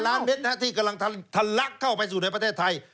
ล้านเมตรที่กำลังทันลักเข้าไปสู่ในประเทศไทย